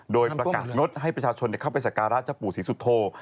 โดยประกาศงดให้ประชาชนเข้าไปสการะเจ้าปู่ศรีสุโธ